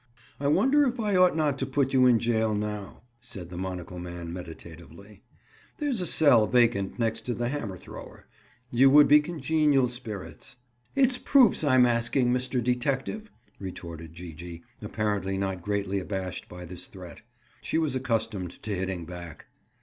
"I wonder if I ought not to put you in jail now?" said the monocle man meditatively. "There's a cell vacant next to the hammer thrower. You would be congenial spirits." "It's proofs I'm asking, Mr. Detective," retorted Gee gee, apparently not greatly abashed by this threat. She was accustomed to hitting back.